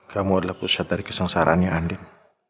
kamu adalah pusat dari kesengsaraannya andin